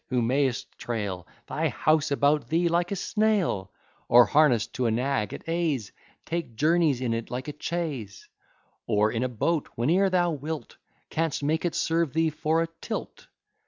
who may'st trail Thy house about thee like a snail: Or harness'd to a nag, at ease Take journeys in it like a chaise; Or in a boat whene'er thou wilt, Can'st make it serve thee for a tilt!